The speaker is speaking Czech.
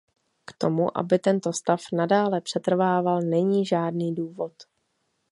K tomu, aby tento stav nadále přetrvával, není žádný důvod.